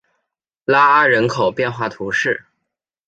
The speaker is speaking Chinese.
拉阿人口变化图示